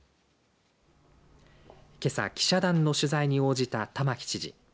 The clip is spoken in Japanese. けさ記者団の取材に応じた玉城知事。